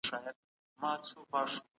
حضوري زده کړه بې عملي تجربه پرته نه کيږي.